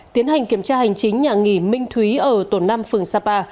tiến hành kiểm tra hành chính nhà nghỉ minh thúy ở tổn nam phường sapa